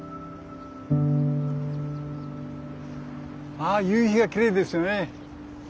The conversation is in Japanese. ああ夕日がきれいですよね。